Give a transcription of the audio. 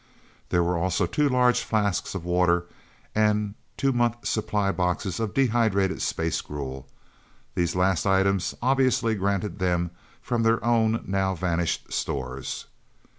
There were also two large flasks of water and two month supply boxes of dehydrated space gruel these last items obviously granted them from their own, now vanished stores.